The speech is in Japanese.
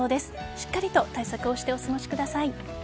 しっかりと対策をしてお過ごしください。